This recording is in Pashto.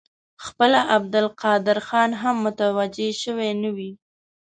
خپله عبدالقادر خان هم متوجه شوی نه وي.